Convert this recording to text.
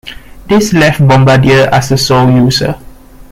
This left Bombardier as the sole user.